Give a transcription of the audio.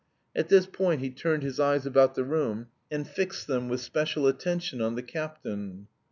At this point he turned his eyes about the room and fixed them with special attention on the captain.